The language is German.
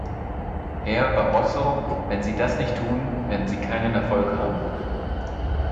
Herr Barroso, wenn Sie das nicht tun, werden Sie keinen Erfolg haben.